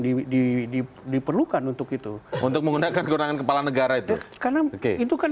diperlukan untuk itu untuk menggunakan kewenangan kepala negara itu karena itu kan